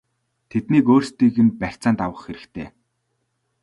Тэднийг өөрсдийг нь барьцаанд авах хэрэгтэй!!!